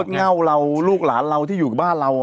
เง่าเราลูกหลานเราที่อยู่กับบ้านเรา